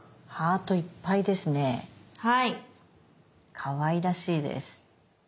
かわいらしいです。